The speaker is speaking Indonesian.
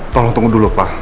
tolong tunggu dulu pak